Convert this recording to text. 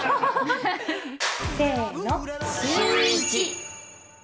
せーの、シューイチ。